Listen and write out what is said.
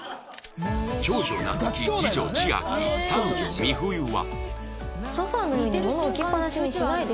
長女夏希次女千秋三女美冬は